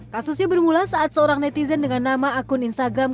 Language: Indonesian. kasusnya bermula saat seorang netizen dengan nama akun instagram